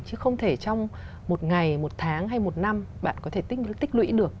chứ không thể trong một ngày một tháng hay một năm bạn có thể tích lũy được